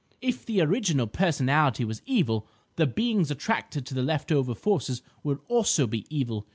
If the original personality was evil, the beings attracted to the left over forces will also be evil.